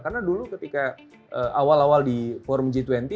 karena dulu ketika awal awal di forum g dua puluh